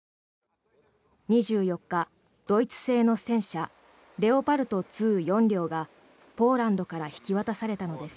２４日、ドイツ製の戦車レオパルト２、４両がポーランドから引き渡されたのです。